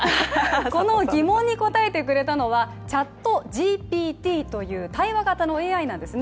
この疑問に答えてくれたのはＣｈａｔＧＰＴという対話型のＡＩなんですね。